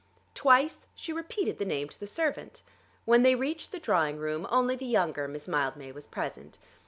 Twice she repeated the name to the servant. When they reached the drawing room only the younger Miss Mildmay was present.